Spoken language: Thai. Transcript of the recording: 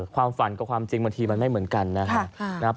ความฝันกับความจริงบางทีมันไม่เหมือนกันนะครับ